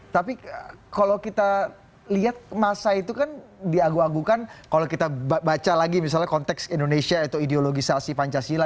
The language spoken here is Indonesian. tapi kalau kita lihat masa itu kan diaguh agungkan kalau kita baca lagi misalnya konteks indonesia atau ideologisasi pancasila